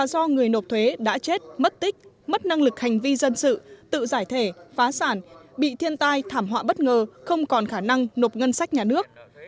do người nộp thuế đã chết mất tích mất năng lực hành vi dân sự tự giải thể phá sản bị thiên tai thảm họa bất ngờ không còn khả năng nộp ngân sách nhà nước